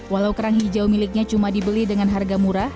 walau kerang hijau miliknya cuma dibeli dengan harga murah